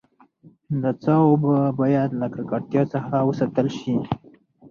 د څاه اوبه باید له ککړتیا څخه وساتل سي.